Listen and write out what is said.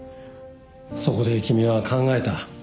そこで君は考えた。